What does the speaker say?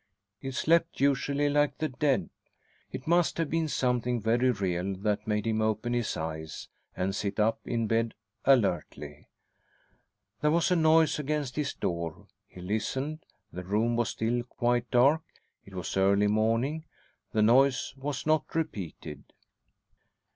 He slept usually like the dead. It must have been something very real that made him open his eyes and sit up in bed alertly. There was a noise against his door. He listened. The room was still quite dark. It was early morning. The noise was not repeated.